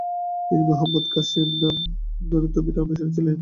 তিনি মুহাম্মদ কাসেম নানুতুবির অনুসারি ছিলেন।